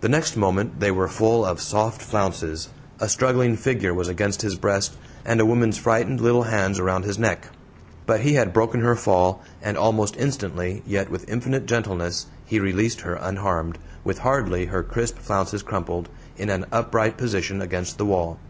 The next moment they were full of soft flounces, a struggling figure was against his breast, and a woman's frightened little hands around his neck. But he had broken her fall, and almost instantly, yet with infinite gentleness, he released her unharmed, with hardly her crisp flounces crumpled, in an upright position against the wall.